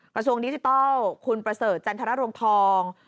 กระทรวงดิจิทัลคุณประเสริฐจันทรรวงทอง